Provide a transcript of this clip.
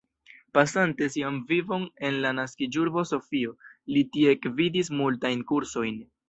Pasante sian vivon en la naskiĝurbo Sofio, li tie gvidis multajn kursojn.